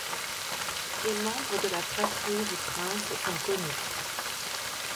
Des membres de la fratrie du prince sont connus.